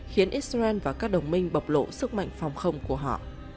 khiến israel và các đồng minh bộc lộ sức mạnh phòng không của họ